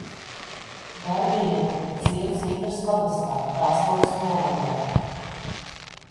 Dargeļeva ir ciems Indras pagastā, Krāslavas novadā.